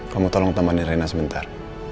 kamu tolong temannya rena sebentar